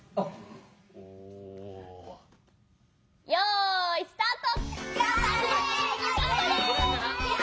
よいスタート！